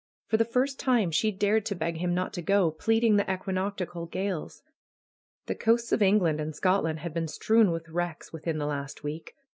For the first time she dared to beg him not to go, plead ing the equinoctial gales. The coasts of England and Scotland had been strewn with wrecks within the last week.